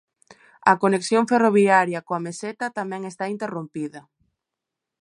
A conexión ferroviaria coa meseta tamén está interrompida.